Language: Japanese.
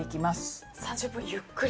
３０分ゆっくりと。